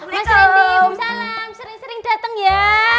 mas randy salam sering sering dateng ya